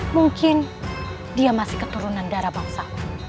mungkin dia masih keturunan darah bangsa